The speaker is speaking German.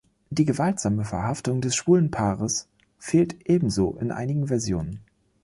Die gewaltsame Verhaftung des schwulen Paares fehlt ebenso in einigen Versionen.